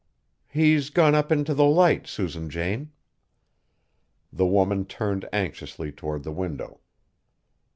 "He's gone up into the Light, Susan Jane." The woman turned anxiously toward the window.